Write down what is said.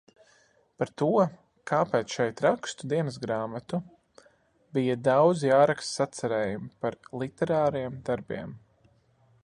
Par to, kāpēc šeit rakstu dienasgrāmatu. Bija daudz jaraksta sacerējumi par literāriem darbiem.